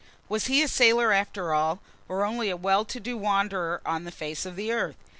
Was he a sailor after all, or only a well to do wanderer on the face of the earth?